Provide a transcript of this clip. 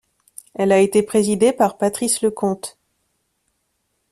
Elle a été présidée par Patrice Leconte.